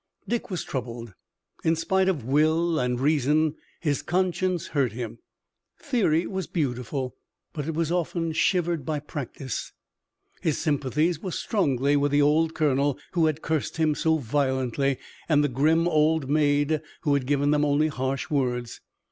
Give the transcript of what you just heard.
Dick was troubled. In spite of will and reason, his conscience hurt him. Theory was beautiful, but it was often shivered by practice. His sympathies were strongly with the old colonel who had cursed him so violently and the grim old maid who had given them only harsh words.